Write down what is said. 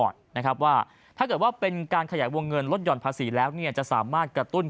ดำเนินประชาชน